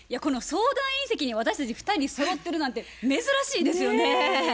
この相談員席に私たち２人そろってるなんて珍しいですよね。